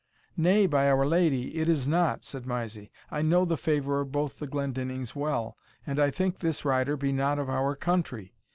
"Nay, by Our Lady, that it is not," said Mysie; "I know the favour of both the Glendinnings well, and I think this rider be not of our country.